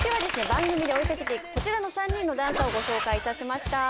番組で追い掛けていくこちらの３人のダンサーをご紹介いたしました。